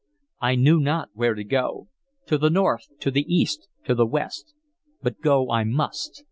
I knew not where to go, to the north, to the east, to the west, but go I must.